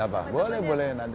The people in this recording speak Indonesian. apa boleh boleh nanti